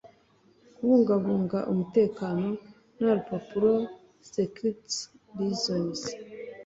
kubungabunga umutekano nta rupapuro security reasons